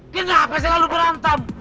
kenapa selalu berantem